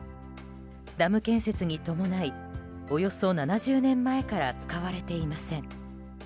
ダム建設に伴いおよそ７０年前から使われていません。